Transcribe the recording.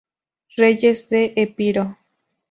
Reyes de Epiro